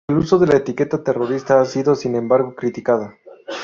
El uso de la etiqueta terrorista ha sido sin embargo criticada.